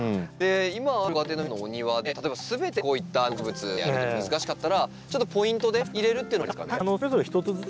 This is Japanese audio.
今あるご家庭の皆さんのお庭で例えば全てこういった南国植物でやるのが難しかったらちょっとポイントで入れるっていうのもありですかね？